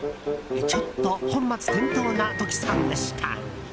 ちょっと本末転倒なトキさんでした。